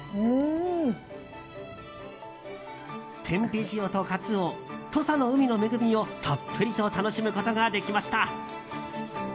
天日塩とカツオ土佐の海の恵みをたっぷりと楽しむことができました。